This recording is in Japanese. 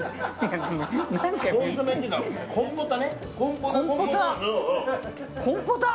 コンポタね。